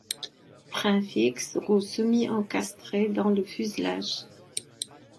Train fixe, roues semi-encastrées dans le fuselage.